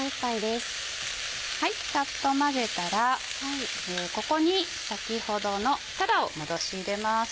サッと混ぜたらここに先ほどのたらを戻し入れます。